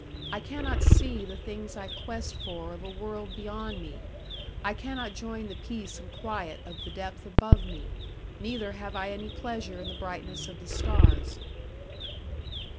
I cannot see the things I quest for of a world beyond me; I cannot join the peace and quiet of the depth above me; neither have I any pleasure in the brightness of the stars.